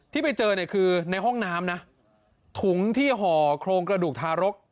ที่ไปเจอเนี่ยคือในห้องน้ำนะถุงที่ห่อโครงกระดูกทารก